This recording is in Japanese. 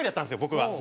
僕は。